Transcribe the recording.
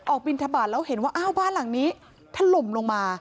บินทบาทแล้วเห็นว่าอ้าวบ้านหลังนี้ถล่มลงมา